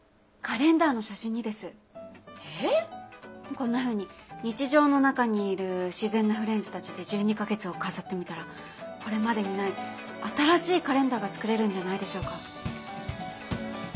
こんなふうに日常の中にいる自然なフレンズたちで１２か月を飾ってみたらこれまでにない新しいカレンダーが作れるんじゃないでしょうか。